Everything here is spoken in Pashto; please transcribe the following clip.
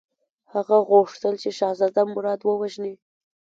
هغه غوښتل چې شهزاده مراد ووژني.